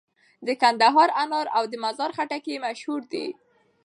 د کندهار انار او د مزار خټکي مشهور دي.